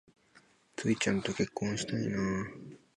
ツウィちゃんと結婚したいな